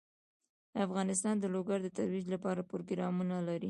افغانستان د لوگر د ترویج لپاره پروګرامونه لري.